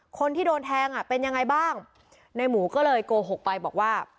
คนที่โดนแทงอ่ะเป็นยังไงบ้างในหมูก็เลยโกหกไปบอกว่า